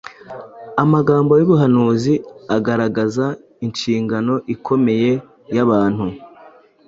Amagambo y’umuhanuzi agaragaza inshingano ikomeye y’abantu